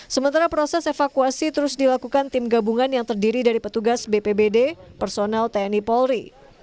sementara proses evakuasi terus dilakukan tim gabungan yang terdiri dari petugas bpbd personel tni polri